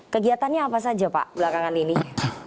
kegiatannya apa saja pak belakangan ini